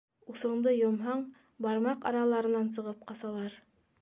Усыңды йомһаң, бармаҡ араларынан сығып ҡасалар.